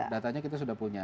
datanya kita sudah punya